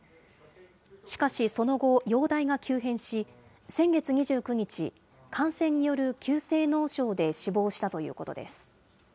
しかしその後、容体が急変し、先月２９日、感染による急性脳症で死亡したということです。